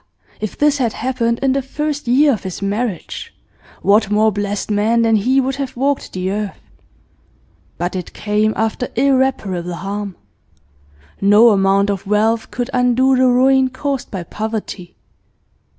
if this had happened in the first year of his marriage, what more blessed man than he would have walked the earth! But it came after irreparable harm. No amount of wealth could undo the ruin caused by poverty.